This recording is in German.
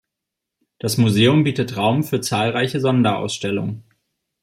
Das Museum bietet Raum für zahlreiche Sonderausstellungen.